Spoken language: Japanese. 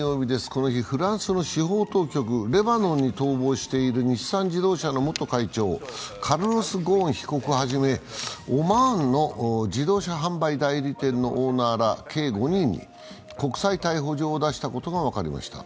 この日、フランスの司法当局、レバノンに逃亡している日産自動車の元会長、カルロス・ゴーン被告をはじめ、オマーンの自動車販売代理店のオーナーら計５人に国際逮捕状を出したことが分かりました。